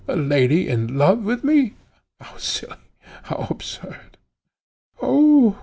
The lady in love with me! How silly! how absurd!" "Umph!"